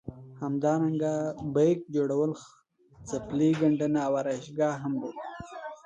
همدارنګه بیک جوړول څپلۍ ګنډنه او ارایشګاه هم لري.